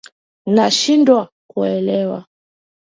Nashindwa kuelewa